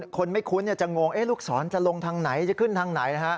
คนไม่คุ้นจะงงลูกศรจะลงทางไหนจะขึ้นทางไหน